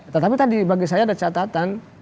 tetapi tadi bagi saya ada catatan